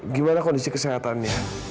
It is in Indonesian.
gimana kondisi kesehatannya